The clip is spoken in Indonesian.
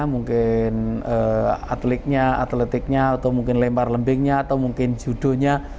mungkin atletnya atletiknya atau mungkin lempar lembingnya atau mungkin judonya